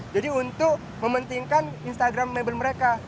jadi untuk mementingkan instagram label mereka